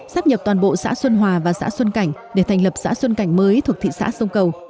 sắp nhập toàn bộ xã xuân hòa và xã xuân cảnh để thành lập xã xuân cảnh mới thuộc thị xã sông cầu